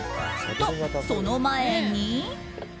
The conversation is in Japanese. と、その前に。